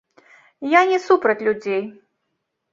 Я не супраць людзей.